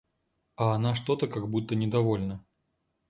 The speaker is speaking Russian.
А она что-то как будто недовольна.